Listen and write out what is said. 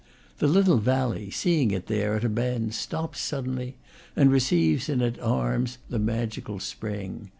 The little valley, seeing it there, at a bend, stops suddenly, and receives in its arms the magical spring.